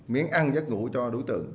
miếng ăn giấc ngủ cho đối tượng